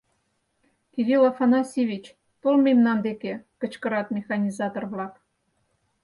— Кирилл Афанасьевич, тол мемнан деке! — кычкырат механизатор-влак.